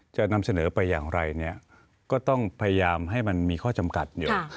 จะนำเสนอไปอย่างไรเนี่ยก็ต้องพยายามให้มันมีข้อจำกัดอยู่